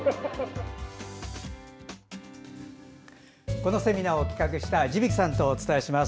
このセミナーを企画した地曳さんとお伝えします。